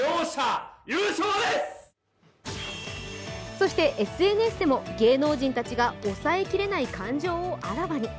そしてＳＮＳでも芸能人たちが抑えきれない感情をあらわに。